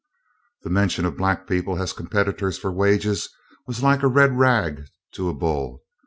The mention of black people as competitors for wages was like a red rag to a bull.